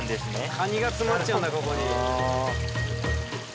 カニが詰まっちゃうんだここに。